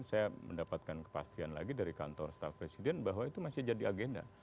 saya mendapatkan kepastian lagi dari kantor staf presiden bahwa itu masih jadi agenda